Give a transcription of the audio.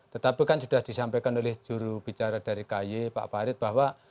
tetapi kan sudah disampaikan oleh juru bicara dari kay pak farid bahwa